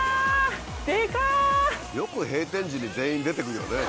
よく閉店時に全員出ていくよね。